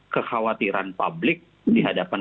kekhawatiran publik di hadapan